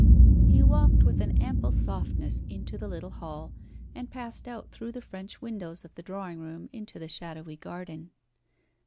He walked with an ample softness into the little hall, and passed out through the French windows of the drawing room into the shadowy garden.